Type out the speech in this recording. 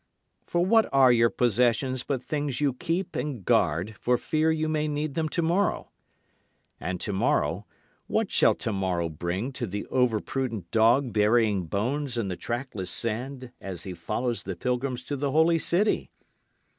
For what are your possessions but things you keep and guard for fear you may need them tomorrow? And tomorrow, what shall tomorrow bring to the overprudent dog burying bones in the trackless sand as he follows the pilgrims to the holy city?